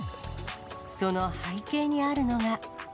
その背景にあるのが。